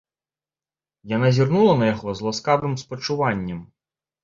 Яна зірнула на яго з ласкавым спачуваннем.